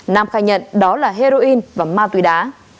nam khai nhận đó là heroin và ma túy đá